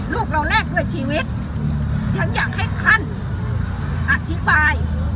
ลูกเราแลกด้วยชีวิตฉันอยากให้ท่านอธิบาย